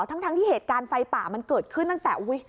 ทั้งที่เหตุการณ์ไฟป่ามันเกิดขึ้นตั้งแต่อุ๊ย